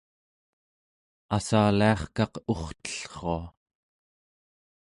assaliarkaq urtellrua